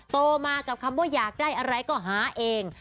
โตมากับคำว่าอยากได้อะไรก็หาเอง